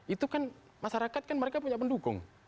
itu kan masyarakat kan mereka punya pendukung